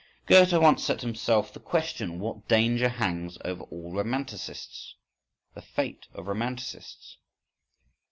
—Goethe once set himself the question, "what danger hangs over all romanticists—the fate of romanticists?"